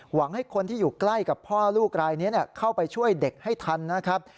หวังให้คนที่อยู่ใกล้กับพ่อลูกรายนี้เข้าไปช่วยเด็กให้ทันนะครับ